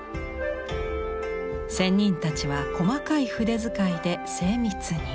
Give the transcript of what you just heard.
仙人たちは細かい筆遣いで精密に。